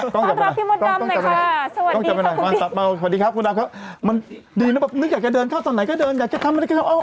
ต้องรับพี่มดดำเลยค่ะสวัสดีค่ะคุณดิสวัสดีครับคุณนับเขา